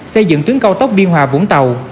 xây dựng tuyến cao tốc biên hòa vũng tàu